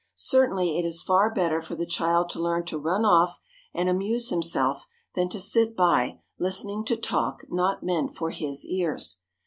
Certainly it is far better for the child to learn to run off and amuse himself than to sit by, listening to talk not meant for his ears.